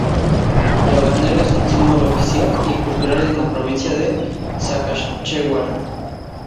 La bandera es un símbolo oficial y cultural en la provincia de Saskatchewan.